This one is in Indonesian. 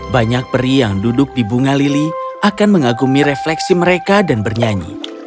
banyak peri yang duduk di bunga lili akan mengagumi refleksi mereka dan bernyanyi